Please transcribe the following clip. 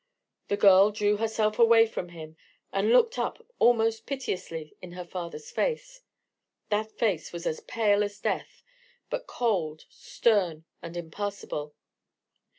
The girl drew herself away from him, and looked up almost piteously in her father's face. That face was as pale as death: but cold, stern, and impassible.